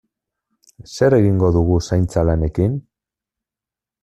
Zer egingo dugu zaintza lanekin?